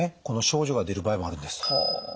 この症状が出る場合もあるんです。